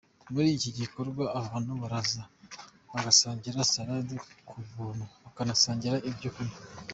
Muri iki gikorwa abantu baraza, bagasangira Salad ku buntu, bakanasangira ibyo kunywa.